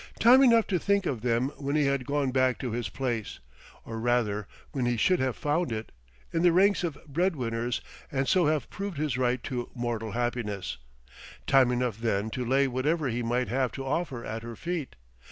time enough to think of them when he had gone back to his place, or rather when he should have found it, in the ranks of bread winners, and so have proved his right to mortal happiness; time enough then to lay whatever he might have to offer at her feet.